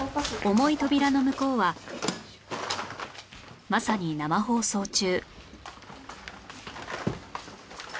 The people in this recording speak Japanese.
重い扉の向こうはまさに生放送中